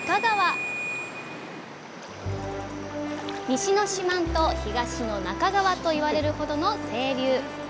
「西の四万十東の那珂川」といわれるほどの清流。